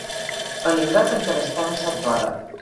Leningrad encara estava encerclada.